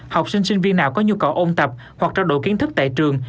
học sinh sinh viên nào có nhu cầu ôn tập hoặc trao đổi kiến thức tại trường